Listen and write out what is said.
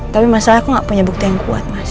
tapi masalah aku nggak punya bukti yang kuat mas